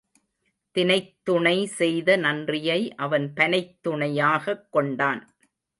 தினைத்துணை செய்த நன்றியை அவன் பனைத்துணையாகக் கொண்டான்.